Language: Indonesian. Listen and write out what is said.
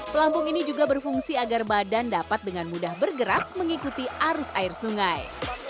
pelampung ini juga berfungsi agar badan dapat dengan mudah bergerak mengikuti arus air sungai